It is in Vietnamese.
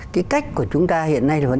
cái cách của chúng ta hiện nay là vẫn